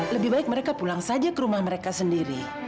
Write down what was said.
lebih baik mereka pulang saja ke rumah mereka sendiri